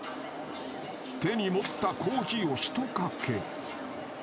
手に持ったコーヒーをひとかけ。